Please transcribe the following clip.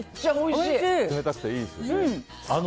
冷たくていいですよね。